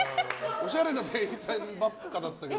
おしゃれな店員さんばっかだったけど。